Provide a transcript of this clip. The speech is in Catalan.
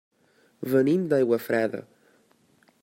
Venim d'Aiguafreda.